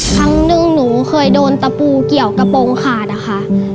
ครั้งหนึ่งหนูเคยโดนตะปูเกี่ยวกระโปรงขาดนะคะ